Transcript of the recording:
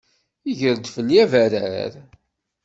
Iger-d fell-i abarrar.